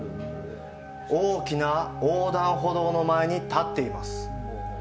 大きな横断歩道の前に立っています。